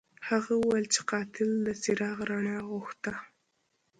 هغه وویل چې قاتل د څراغ رڼا غوښته.